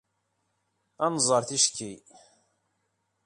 Ad nẓer ticki.